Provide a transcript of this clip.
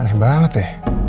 aneh banget ya